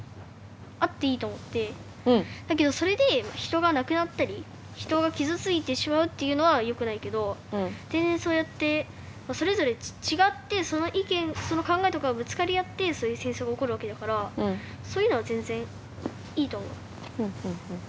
だけどそれで人が亡くなったり人が傷ついてしまうっていうのはよくないけど全然そうやってそれぞれ違ってその意見その考えとかぶつかりあってそういう戦争が起こるわけだからそういうのは全然いいと思う。